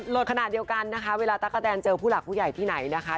ขณะเดียวกันนะคะเวลาตั๊กกะแนนเจอผู้หลักผู้ใหญ่ที่ไหนนะคะ